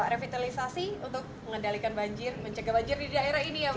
revitalisasi untuk mengendalikan banjir mencegah banjir di daerah ini ya bu